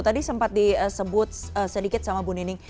tadi sempat disebut sedikit sama bu nining